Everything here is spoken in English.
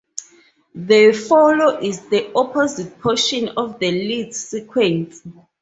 The follow is the opposite portion of the lead's sequence.